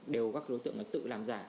đều các đối tượng tự làm giả